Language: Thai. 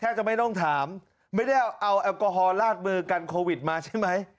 จะไม่ต้องถามไม่ได้เอาแอลกอฮอลลาดมือกันโควิดมาใช่ไหม